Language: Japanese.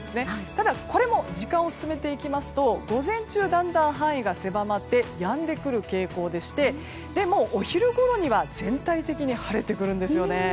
ただこれも時間を進めていきますと午前中、だんだん範囲が狭まってやんでくる傾向でしてお昼ごろには全体的に晴れてくるんですよね。